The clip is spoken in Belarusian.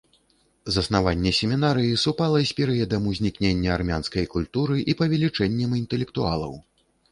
Заснаванне семінарыі супала з перыядам узнікнення армянскай культуры і павелічэннем інтэлектуалаў.